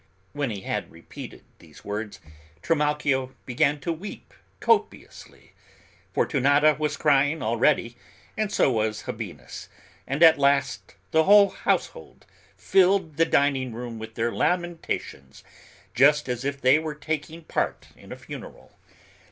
When he had repeated these words, Trimalchio began to weep copiously, Fortunata was crying already, and so was Habinnas, and at last, the whole household filled the dining room with their lamentations, just as if they were taking part in a funeral.